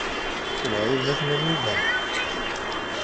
D lɛib ma tennam-iyi-d ala!